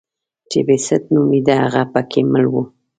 چې بېسټ نومېده هغه پکې مړ و.